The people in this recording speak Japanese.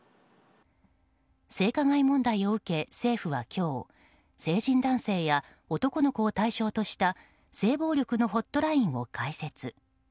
性加害問題を受け政府は今日成人男性や男の子を対象にした性暴力のホットラインを開設。